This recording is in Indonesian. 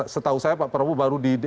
setahu saya pak prabowo